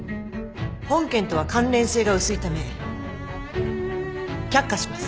本件とは関連性が薄いため却下します